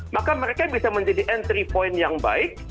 maka mereka bisa menjadi entry point yang baik